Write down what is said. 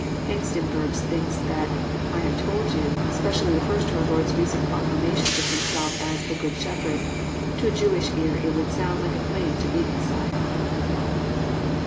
Hengstenberg thinks that << I have told yon " specially refers to our Lord's recent proclamation of Himself as *' the Good Shepherd." To a Jewish ear it would sound like a claim to be the Messiah.